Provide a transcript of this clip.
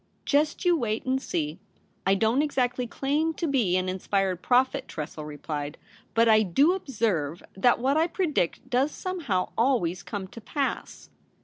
* Just you wait and see. I don't exactly claim to be an inspired prophet,' Tressel re plied ;' but I do observe that what I predict does somehow always come to pass.'